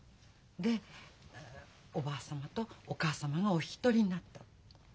でおばあ様とお母様がお引き取りになった。